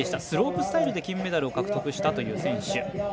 スロープスタイルで金メダルを獲得したという選手。